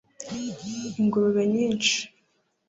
ingurube nyinshi